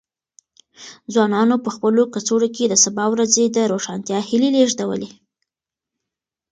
ځوانانو په خپلو کڅوړو کې د سبا ورځې د روښانتیا هیلې لېږدولې.